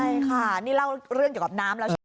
ใช่ค่ะนี่เล่าเรื่องเกี่ยวกับน้ำแล้วใช่ไหม